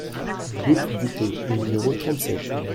Route du Peux au numéro trente-sept